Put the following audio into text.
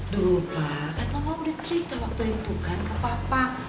duh bakat mama udah cerita waktu itu kan ke papa